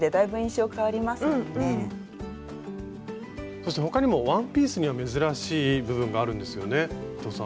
そして他にもワンピースには珍しい部分があるんですよね伊藤さん。